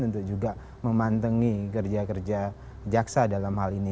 untuk juga memantengi kerja kerja jaksa dalam hal ini